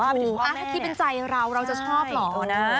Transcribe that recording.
ว่าเป็นพ่อแม่เนี่ยถ้าคิดเป็นใจเราเราจะชอบเหรอนะ